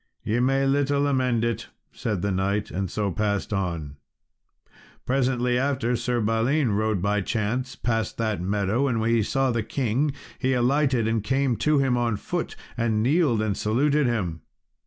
"Ye may little amend it," said the knight, and so passed on. Presently after Sir Balin, rode, by chance, past that meadow, and when he saw the king he alighted and came to him on foot, and kneeled and saluted him.